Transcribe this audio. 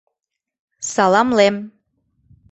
— Саламлем.